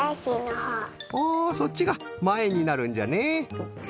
ほおそっちがまえになるんじゃね。